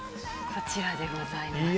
こちらでございます。